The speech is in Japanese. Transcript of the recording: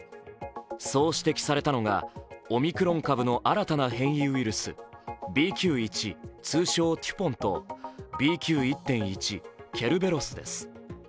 そう指摘されたのが、オミクロン株の新たな変異ウイルス、ＢＱ．１、通称テュポンとＢＱ．１．１、ケルベロスです。